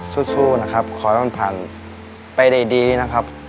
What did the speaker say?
สู้นะครับขอให้มันผ่านไปได้ดีนะครับ